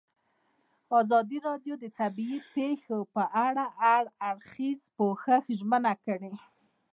ازادي راډیو د طبیعي پېښې په اړه د هر اړخیز پوښښ ژمنه کړې.